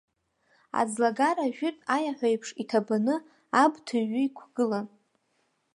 Аӡлагара-жәытә аиаҳәа еиԥш, иҭабаны абб ҭыҩҩы иқәгылан.